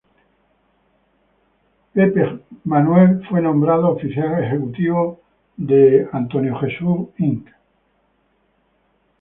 Richard Rogers fue nombrado Oficial Ejecutivo de Mary Kay Inc.